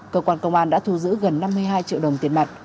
cơ quan công an đã thu giữ gần năm mươi hai triệu đồng tiền mặt